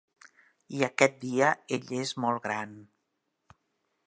I aquest dia, ell és molt gran.